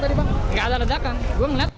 gak ada ledakan gue ngeliat